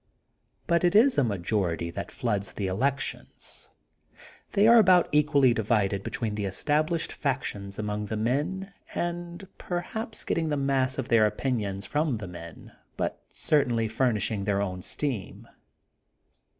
But it is a majority that floods the elections. They are about equally divided between the established factions among the men and perhaps getting the mass of their opinions from the men but certainly furnishing their own steam.